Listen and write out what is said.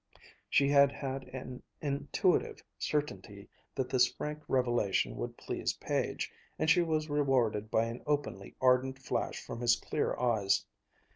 She had had an intuitive certainty that this frank revelation would please Page, and she was rewarded by an openly ardent flash from his clear eyes.